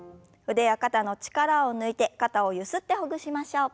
腕や肩の力を抜いて肩をゆすってほぐしましょう。